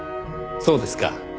そうですか。